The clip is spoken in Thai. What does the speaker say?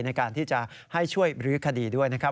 ในการที่จะให้ช่วยบรื้อคดีด้วยนะครับ